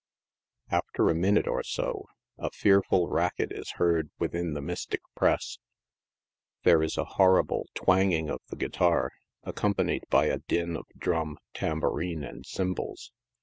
After a minute or so, a fearful racket is heard within the mystic press. There is a horrible twanging of the guitar, accompanied by a din of drum, tambourine and cymbals.